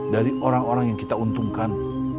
dari orang orang yang kita untungkan